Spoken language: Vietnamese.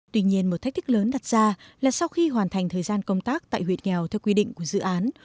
tuy nhiên một thách thức lớn đặt ra là sau khi hoàn thành thời gian công tác tại huyện nghèo theo quy định của dự án